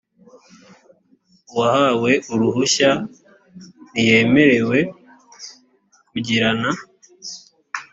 uwahawe uruhushya ntiyemerewe kugirana